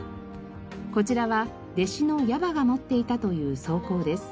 こちらは弟子の野坡が持っていたという草稿です。